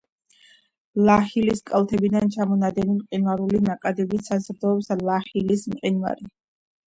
ლაჰილის კალთებიდან ჩამონადენი მყინვარული ნაკადებით საზრდოობს ლაჰილის მყინვარი.